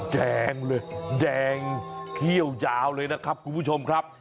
แดงเลยแดงเขี้ยวยาวเลยนะครับคุณผู้ชมครับ